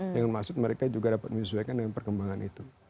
dengan maksud mereka juga dapat menyesuaikan dengan perkembangan itu